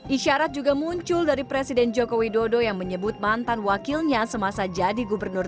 isyarat juga muncul dari presiden joko widodo yang menyebut mantan wakilnya semasa jadi gubernur